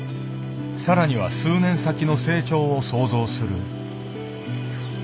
更には数年先の成長を想像する。